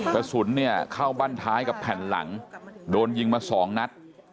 กระสุนเนี่ยเข้าบ้านท้ายกับแผ่นหลังโดนยิงมาสองนัด